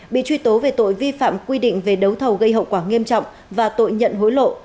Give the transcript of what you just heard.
bị truy tố về tội vi phạm quy định về đấu thầu gây hậu quả nghiêm trọng và tội nhận hối lộ